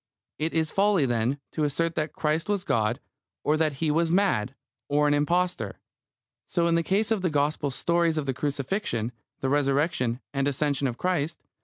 It is folly, then, to assert that Christ was God, or that He was mad, or an impostor. So in the case of the Gospel stories of the Crucifixion, the Resurrection, and Ascension of Christ.